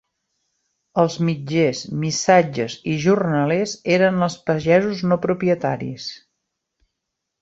Els mitgers, missatges i jornalers eren els pagesos no propietaris.